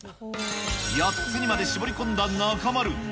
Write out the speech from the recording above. ８つにまで絞り込んだ中丸。